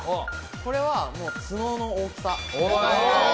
これは角の大きさ。